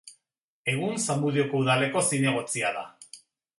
Egun, Zamudioko Udaleko zinegotzia da.